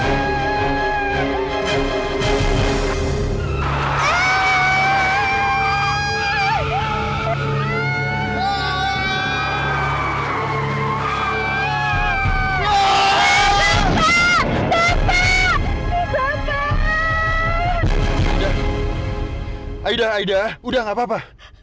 aida aida aida udah gapapa